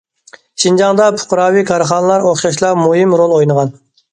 شىنجاڭدا پۇقراۋى كارخانىلار ئوخشاشلا مۇھىم رول ئوينىغان.